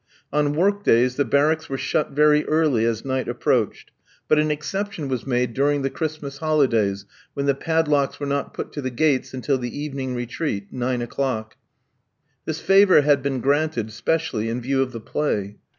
On work days the barracks were shut very early as night approached, but an exception was made during the Christmas holidays, when the padlocks were not put to the gates until the evening retreat nine o'clock. This favour had been granted specially in view of the play.